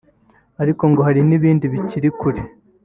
ariko ngo hari n’ibindi bikiri kure